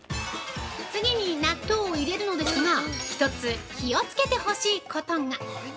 次に納豆を入れるのですが１つ気をつけて欲しいことが！